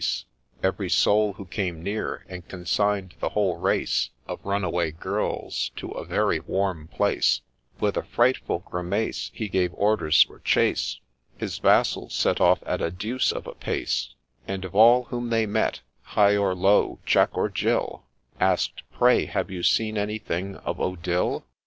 ODILLE 153 Every soul who came near, and consign'd the whole race Of runaway girls to a very warm place ; With a frightful grimace He gave orders for chase ; His vassals set off at a deuce of a pace, And of all whom they met, high or low, Jack or Jill; Ask'd, ' Pray have you seen anything of Odille